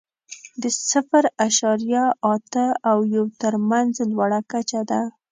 د صفر اعشاریه اته او یو تر مینځ لوړه کچه ده.